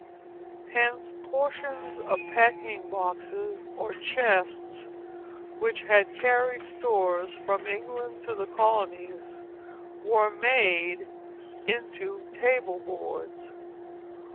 Hence portions of packing boxes, or chests which had carried stores from England to the colonies, were made into table boards.